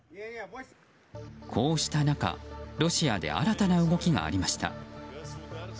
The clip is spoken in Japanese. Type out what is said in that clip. こうした中、ロシアで新たな動きがありました。